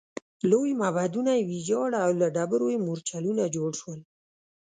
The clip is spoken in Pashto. لوی معبدونه یې ویجاړ او له ډبرو یې مورچلونه جوړ شول